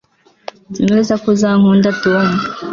nzi neza ko uzakunda tom